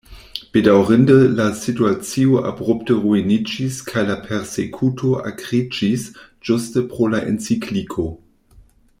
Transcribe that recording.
Bedaŭrinde la situacio abrupte ruiniĝis kaj la persekuto akriĝis ĝuste pro la encikliko.